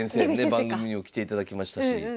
番組にも来ていただきましたし。